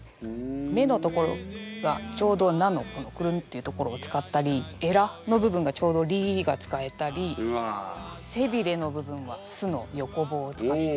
目の所がちょうど「な」のクルンッていう所を使ったりエラの部分がちょうど「り」が使えたり背びれの部分は「す」の横棒を使って。